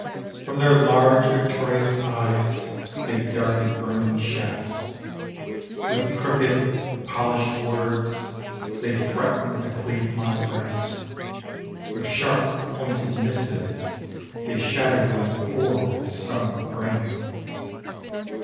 From their large victorious eyes They darted burning shafts. With crooked, polished words, They threatened to cleave my breast. With sharp pointed missives they shattered My poor, stunned brain.